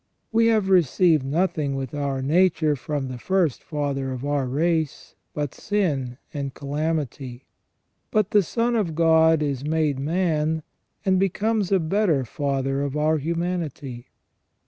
We have received nothing with our nature from the first father of our race but sin and calamity. But the Son of God is made man, and becomes a better Father ot our humanity.